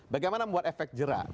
bagaimana membuat efek jerah